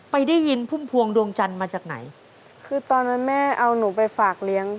ไปได้ยินภุ่มภวงดวงจันทร์มาจากไหน